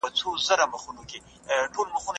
هری خواته یې شنېلۍ وې ښکارېدلې